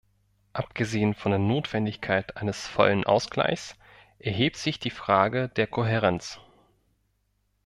Abgesehen von der Notwendigkeit eines vollen Ausgleichs erhebt sich die Frage der Kohärenz.